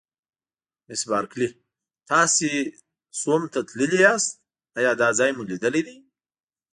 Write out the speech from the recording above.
مس بارکلي: تاسي سوم ته تللي یاست، ایا دا ځای مو لیدلی دی؟